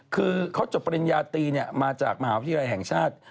คือเขาจบปริญญาตรีมาจากมหาวิทยาลัยแห่งชาติ